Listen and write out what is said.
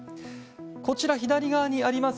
こちら、左側にあります